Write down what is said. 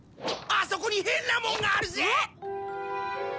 あそこに変なもんがあるぜ！